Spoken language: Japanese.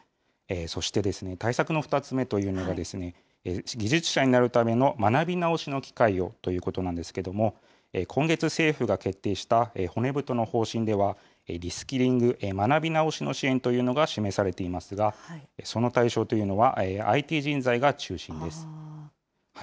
そして対策の２つ目というのが、技術者になるための学び直しの機会をということなんですけれども、今月、政府が決定した骨太の方針では、リスキリング・学び直しの支援というのが示されていますが、その対象というのはＩＴ人材が中心です。